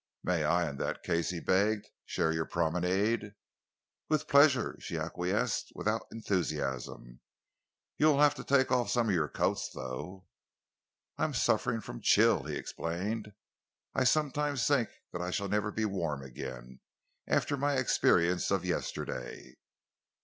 "May I, in that case," he begged, "share your promenade?" "With pleasure," she acquiesced, without enthusiasm. "You will have to take off some of your coats, though." "I am suffering from chill," he explained. "I sometimes think that I shall never be warm again, after my experience of yesterday."